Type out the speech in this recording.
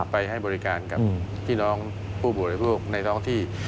ไปให้บริการกับพี่น้องผู้บริโภคในท้องที่